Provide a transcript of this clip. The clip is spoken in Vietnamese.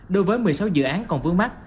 đối với một mươi sáu dự án còn vướng mắt